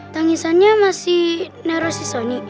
tangisannya masih nerosi sony